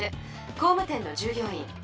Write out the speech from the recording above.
工務店の従業員。